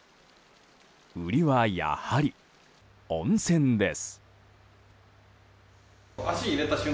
売りは、やはり温泉です。